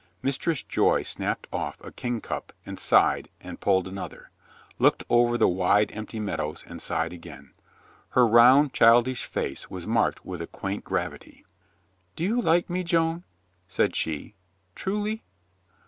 Mistress Joy snapped off a kingcup and sighed and pulled another, looked over the wide, empty meadows and sighed again. Her round, childish face was marked with a quaint gravity. "Do you like me, Joan?" said she. "Truly?"